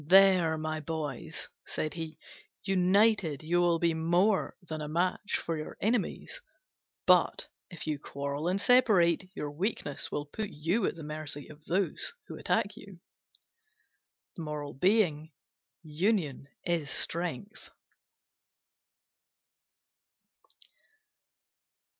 "There, my boys," said he, "united you will be more than a match for your enemies: but if you quarrel and separate, your weakness will put you at the mercy of those who attack you." Union is strength.